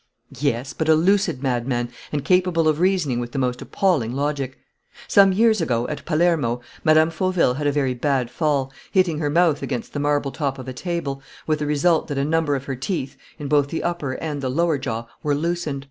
"Yes, but a lucid madman and capable of reasoning with the most appalling logic. Some years ago, at Palermo, Mme. Fauville had a very bad fall, hitting her mouth against the marble top of a table, with the result that a number of her teeth, in both the upper and the lower jaw, were loosened.